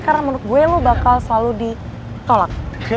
karena menurut gue lo bakal selalu ditolak